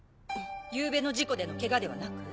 ゆうべの事故でのケガではなく？